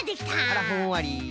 あらふんわり。